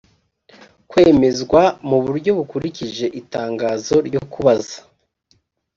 kwemezwa mu buryo bukurikije itangazo ryo kubaza